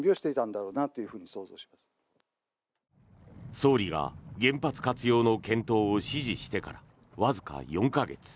総理が原発活用の検討を指示してからわずか３か月。